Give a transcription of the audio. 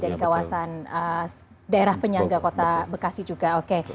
dari kawasan daerah penyangga kota bekasi juga oke